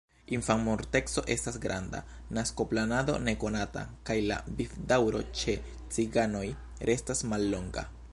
Infanmorteco estas granda, naskoplanado nekonata kaj la vivdaŭro ĉe ciganoj restas mallonga.